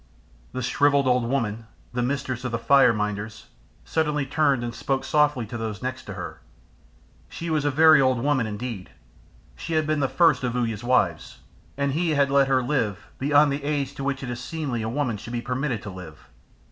The shrivelled old woman, the mistress of the fire minders, suddenly turned and spoke softly to those next to her. She was a very old woman indeed, she had been the first of Uya's wives, and he had let her live beyond the age to which it is seemly a woman should be permitted to live.